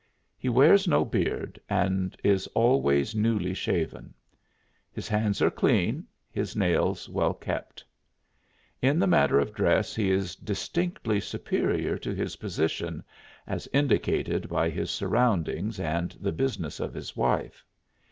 He wears no beard, and is always newly shaven. His hands are clean, his nails well kept. In the matter of dress he is distinctly superior to his position, as indicated by his surroundings and the business of his wife.